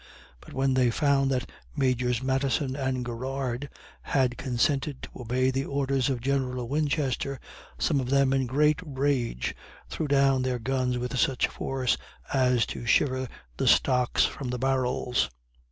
But when they found that Majors Madison and Garrard had consented to obey the orders of General Winchester, some of them, in great rage, threw down their guns with such force as: to shiver the stocks from the barrels.